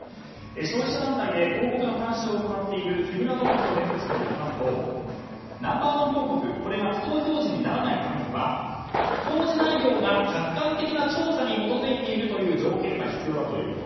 消費者団体で広告の監視を行っている木村智博弁護士によりますとナンバー１広告が不当表示にならないためには表示内容が客観的な調査に基づいているという条件が必要だということ。